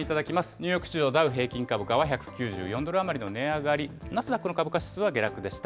ニューヨーク市場ダウ平均株価は１９４ドル余りの値上げり、ナスダックの株価指数は下落でした。